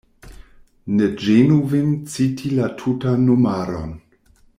Ne ĝenu vin citi la tutan nomaron.